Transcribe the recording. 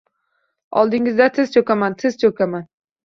Oldingizda tiz choʻkaman, tiz choʻkaman!..